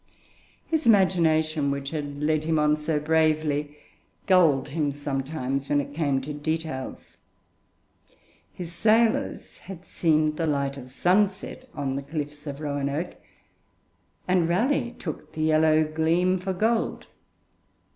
His imagination, which had led him on so bravely, gulled him sometimes when it came to details. His sailors had seen the light of sunset on the cliffs of Roanoke, and Raleigh took the yellow gleam for gold.